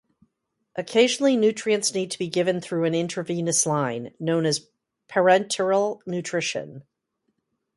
Occasionally nutrients need to be given through an intravenous line, known as parenteral nutrition.